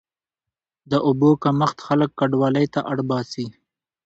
د اوبو کمښت خلک کډوالۍ ته اړ باسي.